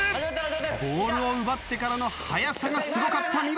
ボールを奪ってからの速さがすごかった。